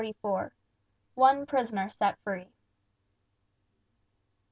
'" XLIV. One Prisoner Set Free.